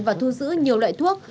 và thu giữ nhiều loại thuốc